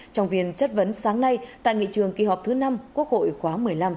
trong phiên chất vấn sáng nay tại nghị trường kỳ họp thứ năm quốc hội khóa một mươi năm